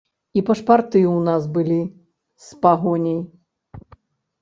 І пашпарты ў нас былі з пагоняй.